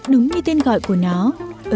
đúng như tên gọi của chúng tôi là creative dara